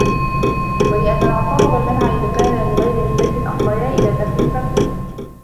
وَلِأَنَّ الْعَطَاءَ وَالْمَنْعَ إذَا كَانَا لِغَيْرِ عِلَّةٍ أَفْضَيَا إلَى ذَمِّ الْمَمْنُوعِ